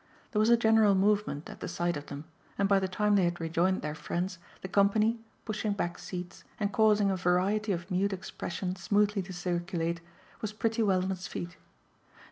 There was a general movement at the sight of them, and by the time they had rejoined their friends the company, pushing back seats and causing a variety of mute expression smoothly to circulate, was pretty well on its feet.